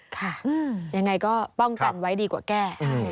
ค่ะยังไงก็ป้องกันไว้ดีกว่าแก้